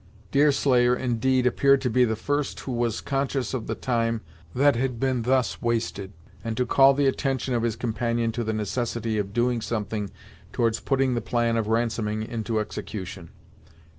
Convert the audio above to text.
Deerslayer, indeed, appeared to be the first who was conscious of the time that had been thus wasted, and to call the attention of his companions to the necessity of doing something towards putting the plan of ransoming into execution.